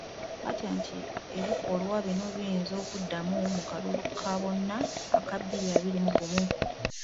Batya nti ebikolwa bino, biyinza okuddamu mu kalulu ka bonna aka bbiri abiri mu gumu.